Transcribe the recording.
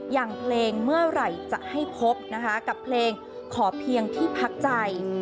อย่างเพลงเมื่อไหร่จะให้พบนะคะกับเพลงขอเพียงที่พักใจ